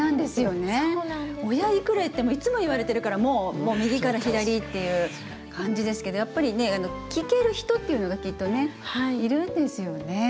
親がいくら言ってもいつも言われてるからもう右から左っていう感じですけどやっぱりね聞ける人っていうのがきっとねいるんですよね